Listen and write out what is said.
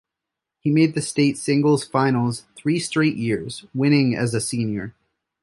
He made the state singles finals three straight years, winning as a senior.